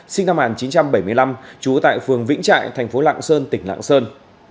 sinh năm một nghìn chín trăm bảy mươi năm trú tại phường vĩnh trại thành phố lạng sơn tỉnh lạng sơn